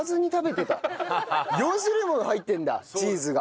４種類も入ってるんだチーズが。